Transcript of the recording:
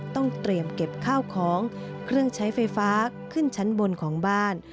ต้องเตรียมเก็บข้าวของเครื่องใช้ไฟฟ้าขึ้นชั้นบนของบ้าน